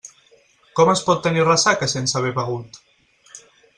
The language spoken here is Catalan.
Com es pot tenir ressaca sense haver begut?